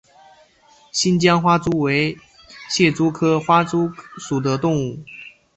新疆花蛛为蟹蛛科花蛛属的动物。